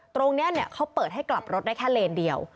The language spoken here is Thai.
ตรงนี้เขาเปิดให้กลับรถได้แค่เลนเดียว